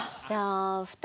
じゃあ。